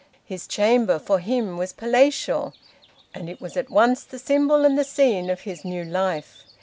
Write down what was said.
His chamber, for him, was palatial, and it was at once the symbol and the scene of his new life.